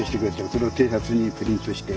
それをＴシャツにプリントして。